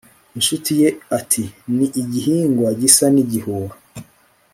inshuti ye ati ni igihingwa gisa n'igihuha